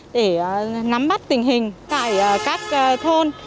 để nắm bắt tình hình tại các thôn